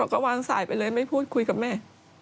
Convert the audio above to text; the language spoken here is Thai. ก็วางสายไปเลยไม่พูดคุยกับแม่